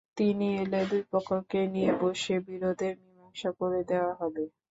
তিনি এলে দুই পক্ষকে নিয়ে বসে বিরোধের মীমাংসা করে দেওয়া হবে।